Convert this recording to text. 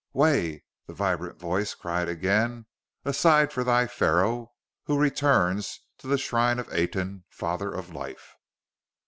"Way!" the vibrant voice cried again. "Aside for thy Pharaoh, who returns to the shrine of Aten, Father of Life!"